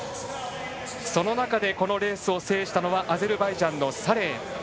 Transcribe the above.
その中でこのレースを制したのはアゼルバイジャンのサレイ。